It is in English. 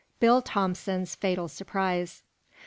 BILL THOMPSON'S FATAL SURPRISE.